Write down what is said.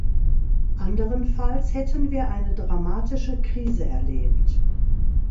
Anderenfalls hätten wir eine dramatische Krise erlebt.